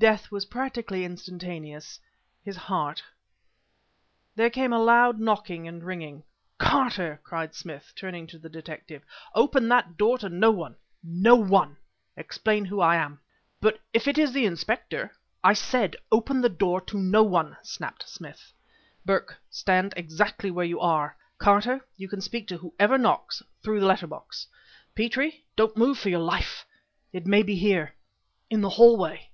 Death was practically instantaneous. His heart..." There came a loud knocking and ringing. "Carter!" cried Smith, turning to the detective, "open that door to no one no one. Explain who I am " "But if it is the inspector? " "I said, open the door to no one!" snapped Smith. "Burke, stand exactly where you are! Carter, you can speak to whoever knocks, through the letter box. Petrie, don't move for your life! It may be here, in the hallway!